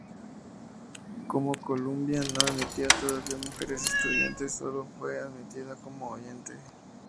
Como Columbia no admitía todavía mujeres estudiantes, sólo fue admitida como "oyente".